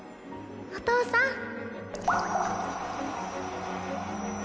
お父さん。